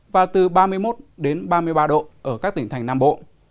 và từ ba mươi một ba mươi ba độ ở các tỉnh thành nam bộ